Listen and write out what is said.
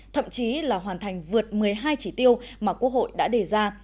thậm chí là hoàn thành vượt một mươi hai chỉ tiêu mà quốc hội đã đề ra